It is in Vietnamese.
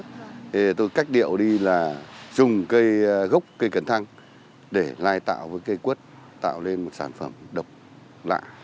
thì tôi cách điệu đi là dùng cây gốc cây cần thăng để lai tạo với cây quất tạo lên một sản phẩm độc lạ